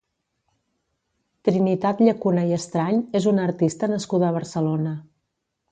Trinitat Llacuna i Estrany és una artista nascuda a Barcelona.